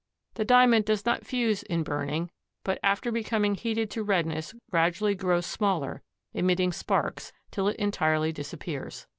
The Diamond does not fuse in burning, but after becoming heated to redness gradually grows smaller, emitting sparks, till it entirely disappears.